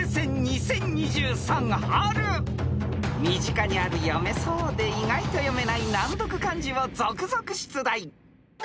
［身近にある読めそうで意外と読めない難読漢字を続々出題］